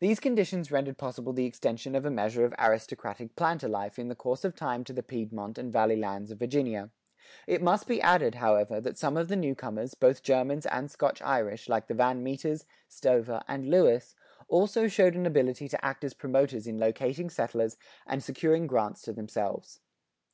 These conditions rendered possible the extension of a measure of aristocratic planter life in the course of time to the Piedmont and Valley lands of Virginia. It must be added, however, that some of the newcomers, both Germans and Scotch Irish, like the Van Meters, Stover, and Lewis, also showed an ability to act as promoters in locating settlers and securing grants to themselves.